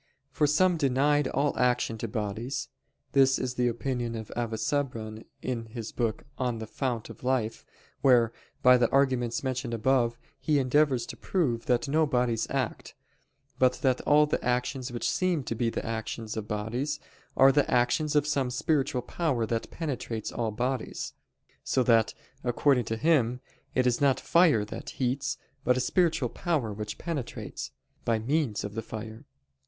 For some denied all action to bodies. This is the opinion of Avicebron in his book on The Fount of Life, where, by the arguments mentioned above, he endeavors to prove that no bodies act, but that all the actions which seem to be the actions of bodies, are the actions of some spiritual power that penetrates all bodies: so that, according to him, it is not fire that heats, but a spiritual power which penetrates, by means of the fire.